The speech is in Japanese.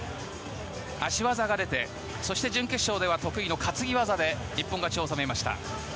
足技が出てそして準決勝では得意の担ぎ技で一本勝ちを収めました。